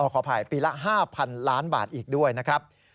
ขออภัยปีละ๕๐๐๐ล้านบาทอีกด้วยนะครับ